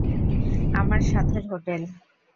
আমার সাধের হোটেল!